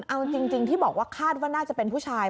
เอาจริงที่บอกว่าคาดว่าน่าจะเป็นผู้ชาย